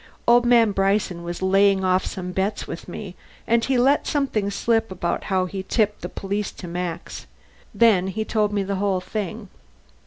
"Old man Bryson was laying off some bets with me and he let something slip about how he tipped the police to Max. Then he told me the whole thing."